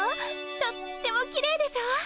とってもきれいでしょ。